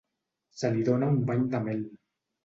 Se li dóna un bany de mel.